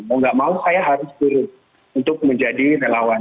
mau nggak mau saya harus turun untuk menjadi relawan